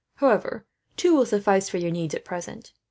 However, two will suffice for your needs, at present.